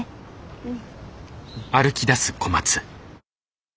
うん。